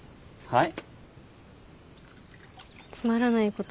はい。